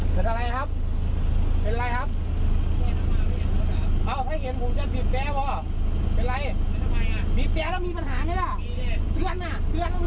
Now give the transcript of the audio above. เป็นอะไรครับเป็นอะไรครับอ้าวถ้าเห็นแต่ปีแปะพอเป็นมีแปะแล้วมีปัญหาค่ะ